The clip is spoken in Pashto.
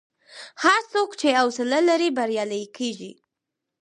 هر څوک چې حوصله لري، بریالی کېږي.